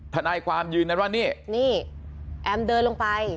ทนายความยืนในนี้แอมล์เดินลงไป